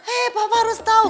eh papa harus tau